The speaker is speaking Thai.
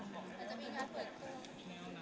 จะมีราคาเปิดตัว